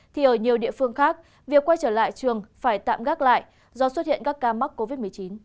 thì ở nhiều địa phương khác việc quay trở lại trường phải tạm gác lại do xuất hiện các ca mắc covid một mươi chín